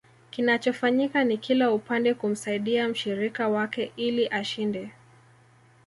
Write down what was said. Kinachofanyika ni kila upande kumsaidia mshirika wake ili ashinde